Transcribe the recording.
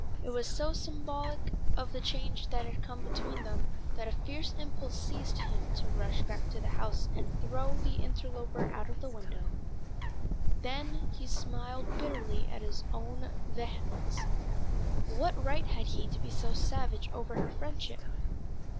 It was so symbolical of the change that had come between them that a fierce impulse seized him to rush back to the house and throw the interloper out of the window. Then he smiled bitterly at his own vehemence. What right had he to be so savage over her friendship?